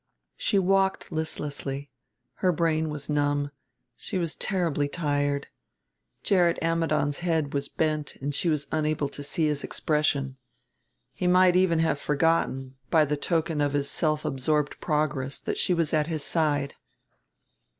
She walked listlessly, her brain was numb; she was terribly tired. Gerrit Ammidon's head was bent and she was unable to see his expression. He might even have forgotten, by the token of his self absorbed progress, that she was at his side.